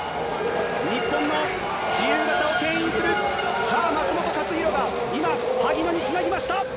日本の自由形をけん引する、さあ、松元克央が今、萩野につなぎました。